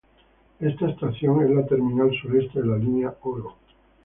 Esta estación es la terminal sureste de la línea Oro.